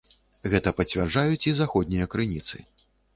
Гэта пацвярджаюць і заходнія крыніцы.